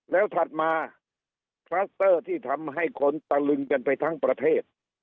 แล้วถัดมาคลัสเตอร์ที่ทำให้คนตะลึงกันไปทั้งประเทศ